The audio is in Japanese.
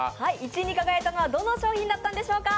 １位に輝いたのはどの商品だったんでしょうか。